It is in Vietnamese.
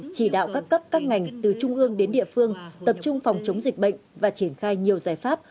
chỉ đạo các cấp các ngành từ trung ương đến địa phương tập trung phòng chống dịch bệnh và triển khai nhiều giải pháp